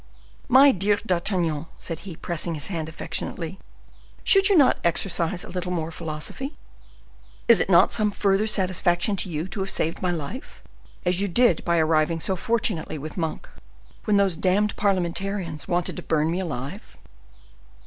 "My dear D'Artagnan," said he, pressing his hand affectionately, "should you not exercise a little more philosophy? Is it not some further satisfaction to you to have saved my life as you did by arriving so fortunately with Monk, when those damned parliamentarians wanted to burn me alive?"